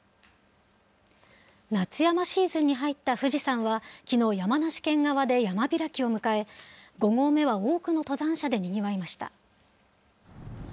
夏山シーズンに入った富士山は、きのう山梨県側で山開きを迎え、５合目は多くの登山者でにぎわいました。